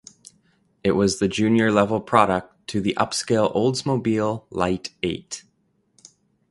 It was the junior level product to the upscale Oldsmobile Light Eight.